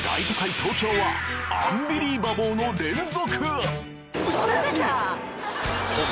東京はアンビリーバボーの連続！